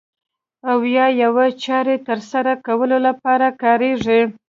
او یا یوې چارې ترسره کولو لپاره کاریږي.